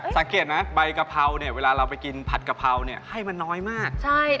สังเกตนะใบกะเพราเนี่ยเวลาเราไปกินผัดกะเพราเนี่ยให้มันน้อยมาก